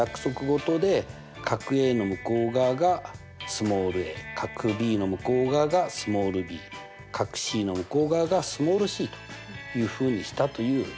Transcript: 事で角Ａの向こう側がスモール角Ｂの向こう側がスモールｂ角Ｃの向こう側がスモールｃというふうにしたという。